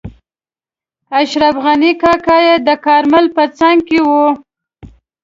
اشرف غني کاکا یې د کارمل په څنګ کې وو.